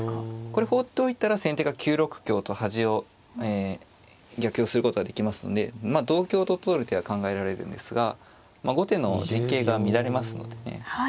これ放っておいたら先手が９六香と端を逆用することができますのでまあ同香と取る手は考えられるんですが後手の陣形が乱れますのでね